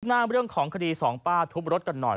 หน้าเรื่องของคดีสองป้าทุบรถกันหน่อย